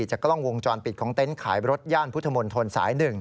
จากกล้องวงจรปิดของเต็นต์ขายรถย่านพุทธมนตรสาย๑